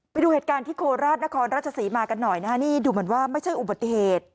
ไปดูเหตุการณ์ที่โคราชนครราชศรีมากันหน่อยนะฮะนี่ดูเหมือนว่าไม่ใช่อุบัติเหตุ